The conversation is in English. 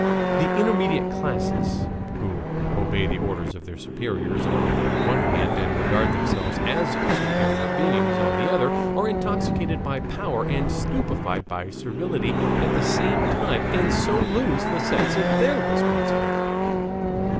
The intermediate class, who obey the orders of their superiors on the one hand and regard themselves as superior beings on the other, are intoxicated by power and stupefied by servility at the same time and so lose the sense of their responsibility.